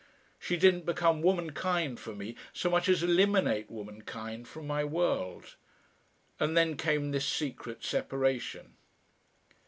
She didn't become womankind for me so much as eliminate womankind from my world.... And then came this secret separation....